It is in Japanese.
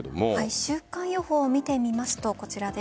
週間予報を見てみますとこちらです。